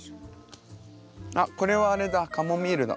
あっこれはあれだカモミールだ。